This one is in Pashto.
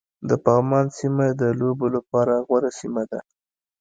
د پغمان سيمه د لوبو لپاره غوره سيمه ده